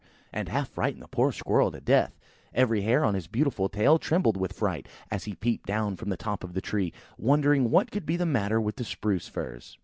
and half frightened the poor squirrel to death. Every hair on his beautiful tail trembled with fright, as he peeped down from the top of the tree, wondering what could be the matter with the Spruce firs.